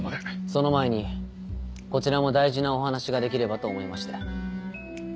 その前にこちらも大事なお話ができればと思いまして。